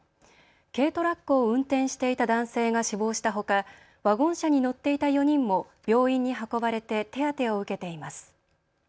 軽トラックを運転していた男性が死亡したほかワゴン車に乗っていた４人も病院に運ばれて手当てを受けています。